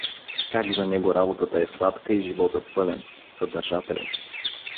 Как за него работата е сладка и животът пълен, съдържателен!